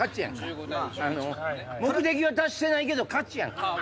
目的は達してないけど勝ちやんか